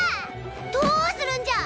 どうするんじゃ！